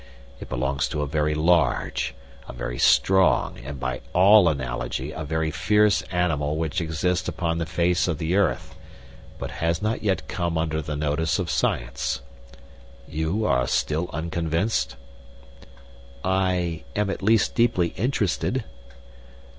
It belongs to a very large, a very strong, and, by all analogy, a very fierce animal which exists upon the face of the earth, but has not yet come under the notice of science. You are still unconvinced?" "I am at least deeply interested."